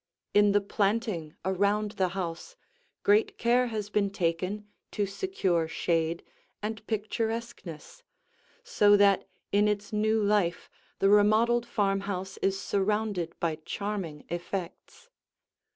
In the planting around the house, great care has been taken to secure shade and picturesqueness, so that in its new life the remodeled farmhouse is surrounded by charming effects.